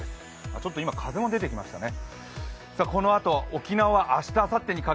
ちょっと今、風も出てきましたね。